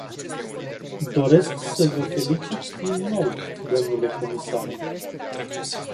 Doresc să vă felicit, din nou, dle comisar.